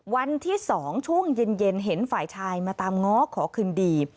วันที่๒ช่วงเย็นเห็นฝ่ายชายมาตามง้อขอคืนดี